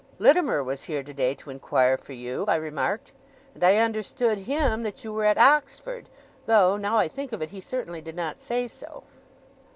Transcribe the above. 'Littimer was here today, to inquire for you,' I remarked, 'and I understood him that you were at Oxford; though, now I think of it, he certainly did not say so.